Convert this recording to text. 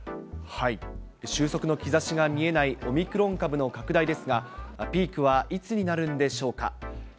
収束の兆しが見えないオミクロン株の拡大ですが、ピークはいつになるんでしょうか。